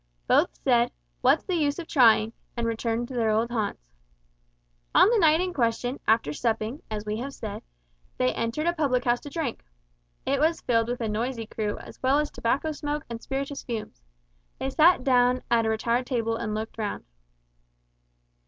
Both said, "What's the use of trying?" and returned to their old haunts. On the night in question, after supping, as we have said, they entered a public house to drink. It was filled with a noisy crew, as well as with tobacco smoke and spirituous fumes. They sat down at a retired table and looked round.